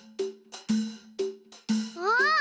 あっ！